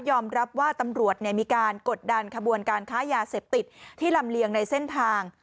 ว่าตำรวจมีการกดดันขบวนการค้ายาเสพติดที่ลำเลียงในเส้นทาง